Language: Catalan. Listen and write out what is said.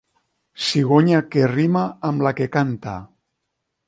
Cigonya que rima amb la que canta.